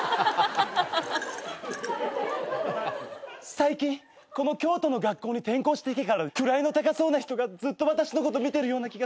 最近この京都の学校に転校してきてから位の高そうな人がずっと私のこと見てるような気がする。